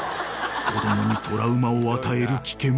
［子供にトラウマを与える危険も］